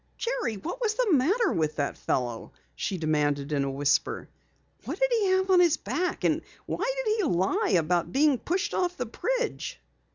"Jerry, what was the matter with that fellow?" she demanded in a whisper. "What did he have on his back? And why did he lie about being pushed off the bridge?"